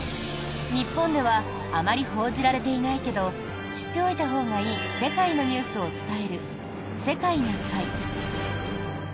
日本ではあまり報じられていないけど知っておいたほうがいい世界のニュースを伝える「世界な会」。